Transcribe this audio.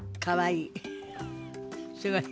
かわいい。